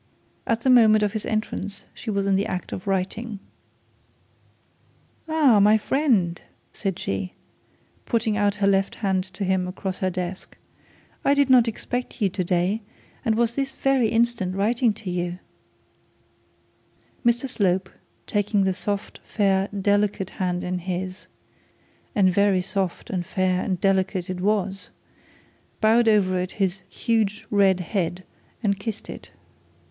At the moment of his entrance she was in the act of writing. 'Ah, my friend,' said she, putting out her left hand to him across the desk, 'I did not expect you to day and was this very instant writing to you ' Mr Slope, taking the soft fair delicate hand in his, and very soft and fair and delicate it was, bowed over it his huge red head and kissed it.